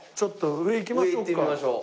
上行ってみましょう。